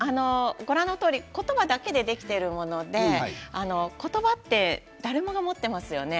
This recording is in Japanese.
言葉だけでできているもので言葉は誰もが持っていますよね